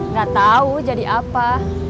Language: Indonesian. gak tau jadi apa